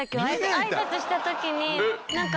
挨拶した時に何か。